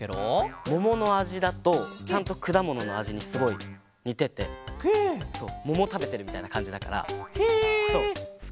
もものあじだとちゃんとくだもののあじにすごいにててももたべてるみたいなかんじだからすきなんだ。